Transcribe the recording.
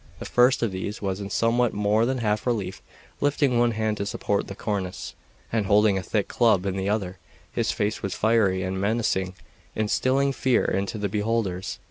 The first of these was in somewhat more than half relief, lifting one hand to support the cornice, and holding a thick club in the other; his face was fiery and menacing, instilling fear into the beholders.